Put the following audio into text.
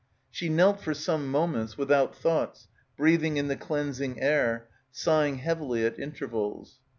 She knelt for some moments, without thoughts, breathing in the cleansing air, sighing heavily at intervals.